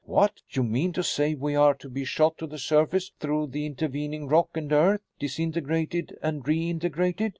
"What? You mean to say we are to be shot to the surface through the intervening rock and earth? Disintegrated and reintegrated?